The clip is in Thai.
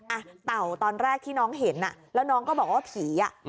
อ่ะเต่าตอนแรกที่น้องเห็นอ่ะแล้วน้องก็บอกว่าผีอ่ะ